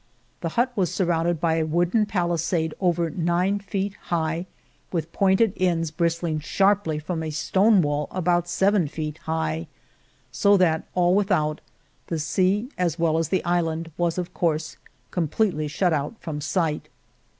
The hut was surrounded by a wooden palisade over nine feet high, with pointed ends bristling sharply from a stone wall about seven feet high, so that all without, the sea as well as the island, was of course completely shut out from sight.